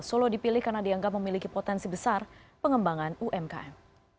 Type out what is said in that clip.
solo dipilih karena dianggap memiliki potensi besar pengembangan umkm